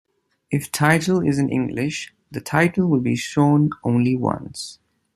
If title is in English, the title will be shown only once.